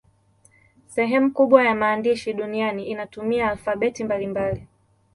Sehemu kubwa ya maandishi duniani inatumia alfabeti mbalimbali.